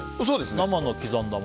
そうです。